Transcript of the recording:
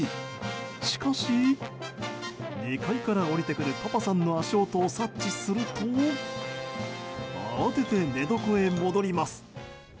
しかし、２階から降りてくるパパさんの足音を察知すると慌てて寝床へ戻ります。